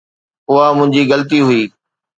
اها منهنجي غلطي هئي.